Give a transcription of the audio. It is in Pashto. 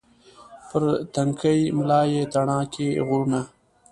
پر تنکۍ ملا یې تڼاکې غرونه